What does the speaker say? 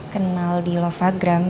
kenal di lovagram